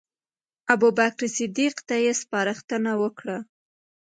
ابوبکر صدیق ته یې سپارښتنه وکړه.